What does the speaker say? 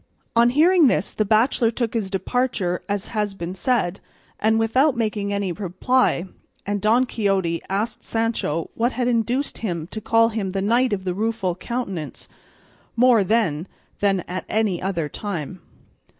On hearing this the bachelor took his departure, as has been said, without making any reply; and Don Quixote asked Sancho what had induced him to call him the "Knight of the Rueful Countenance" more then than at any other time.